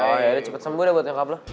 oh yaudah cepet sembuh deh buat nyokap lu